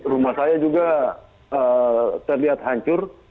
rumah saya juga terlihat hancur